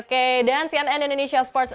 oke dan cnn indonesia sports